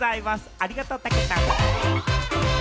ありがとう、たけたん。